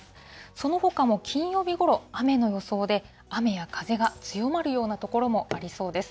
そのほかも金曜日ごろ雨の予想で、雨や風が強まるような所もありそうです。